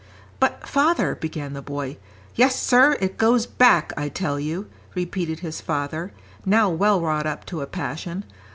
"But, father " began the boy. "Yes, sir, it goes back, I tell you," repeated his father, now well wrought up to a passion.